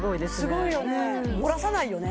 すごいよね漏らさないよね